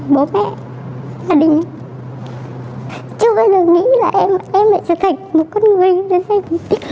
bố mẹ gia đình chưa bao giờ nghĩ là em lại trở thành một con người như thế này